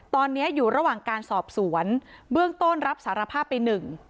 ตอนนี้อยู่ระหว่างการสอบสวนเบื้องต้นรับสารภาพไปหนึ่ง